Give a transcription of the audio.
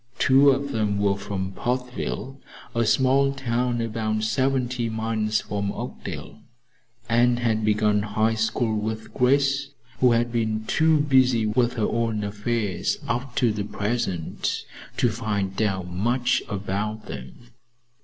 Two of them were from Portville, a small town about seventy miles from Oakdale, and had begun High School with Grace, who had been too busy with her own affairs up to the present to find out much about them.